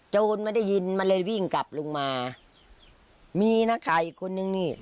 โจรไม่ได้ยินมันเลยวิ่งกลับลงมามีนักข่าวอีกคนนึงนี่